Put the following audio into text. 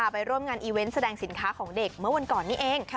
ไปร่วมงานอีเวนต์แสดงสินค้าของเด็กเมื่อวันก่อนนี้เอง